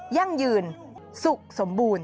ยั่งยืนสุขสมบูรณ